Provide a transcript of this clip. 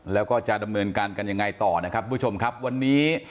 แล้วก็จะดำเนินการกันยังไงต่อนะครับทุกผู้ชมครับวันนี้